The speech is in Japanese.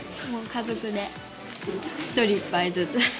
家族で１人１杯ずつ。